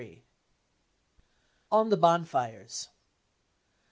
On the bonfires.